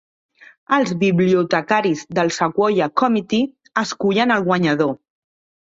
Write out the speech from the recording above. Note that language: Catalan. Els bibliotecaris del Sequoyah Committee escullen el guanyador.